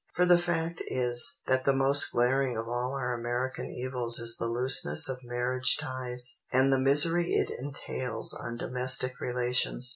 For the fact is, that the most glaring of all our American evils is the looseness of marriage ties, and the misery it entails on domestic relations.